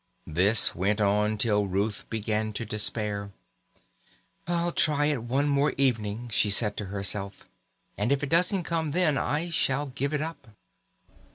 This went on till Ruth began to despair. "I'll try it one more evening," she said to herself, "and if it doesn't come then I shall give it up."